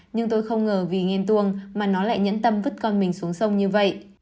nhưng tôi không ngờ vì ghen tuông mà nó lại nhẫn tâm vứt con mình xuống sông như vậy